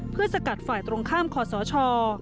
เพื่อสกัดฝ่ายตรงข้ามคอสช